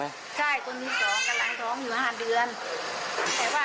มีทุกวันแต่ไม่มัก